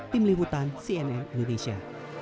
tim limutan cnn indonesia